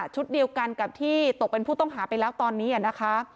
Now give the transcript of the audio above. เดียวกันกับที่ตกเป็นผู้ต้องหาไปแล้วตอนนี้นะคะ